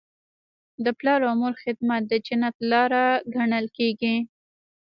د پلار او مور خدمت د جنت لاره ګڼل کیږي.